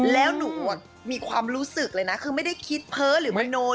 แล้วหนูมีความรู้สึกเลยนะคือไม่ได้คิดเพ้อหรือมโน